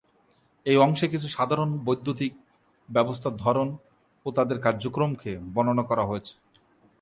এই অংশে কিছু সাধারণ বৈদ্যুতিক ব্যবস্থার ধরন ও তাদের কার্যক্রমকে বর্ণনা করা হয়েছে।